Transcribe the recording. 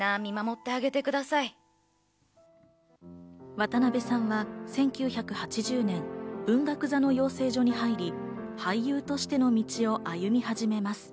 渡辺さんは１９８０年、文学座の養成所に入り、俳優としての道を歩み始めます。